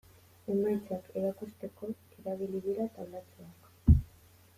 Emaitzak erakusteko erabili dira taulatxoak.